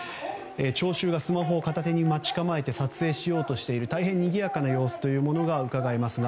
聴衆がスマホを片手に待ち構えて撮影しようとしている大変にぎやかな様子がうかがえますが。